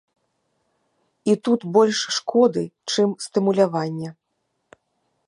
І тут больш шкоды, чым стымулявання.